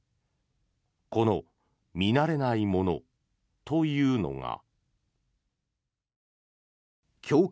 この見慣れないものというのが。